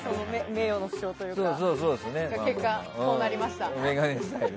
名誉の負傷というか結果、こうなりました。